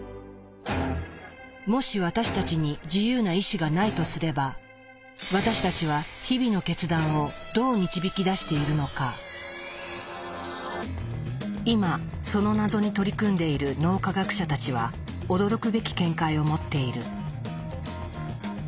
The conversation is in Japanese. もし私たちに自由な意志がないとすれば私たちは日々の今その謎に取り組んでいる脳科学者たちは驚くべき見解を持っている。